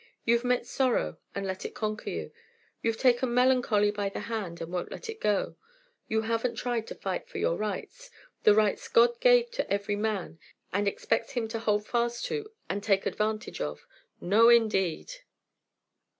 You've met sorrow and let it conquer you. You've taken melancholy by the hand and won't let go of it. You haven't tried to fight for your rights the rights God gave to every man and expects him to hold fast to and take advantage of. No, indeed!"